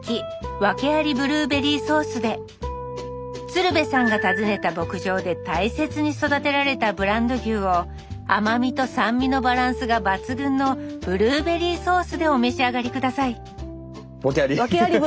鶴瓶さんが訪ねた牧場で大切に育てられたブランド牛を甘みと酸味のバランスが抜群のブルーベリーソースでお召し上がり下さいワケあり。